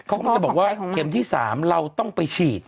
เขาก็จะบอกว่าเข็มที่๓เราต้องไปฉีด